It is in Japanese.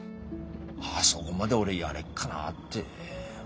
あそこまで俺やれっかなぁって。